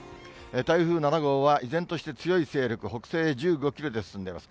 台風７号は、依然として強い勢力、北西へ１５キロで進んでいます。